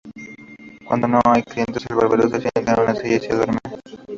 Cuando no hay clientes, el barbero se sienta en una silla y se duerme.